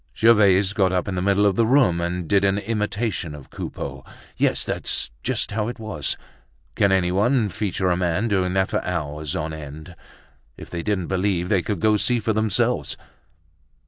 Gervaise got up in the middle of the room and did an imitation of Coupeau. Yes, that's just how it was. Can anyone feature a man doing that for hours on end? If they didn't believe they could go see for themselves.